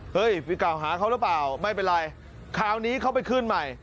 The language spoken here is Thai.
ไปกล่าวหาเขาหรือเปล่าไม่เป็นไรคราวนี้เขาไปขึ้นใหม่